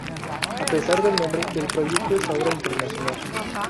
A pesar del nombre, el proyecto es ahora internacional.